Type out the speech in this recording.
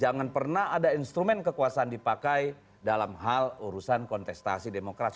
jangan pernah ada instrumen kekuasaan dipakai dalam hal urusan kontestasi demokrasi